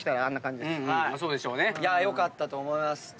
良かったと思います。